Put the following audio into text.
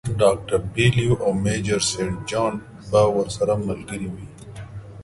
ډاکټر بیلیو او میجر سینټ جان به ورسره ملګري وي.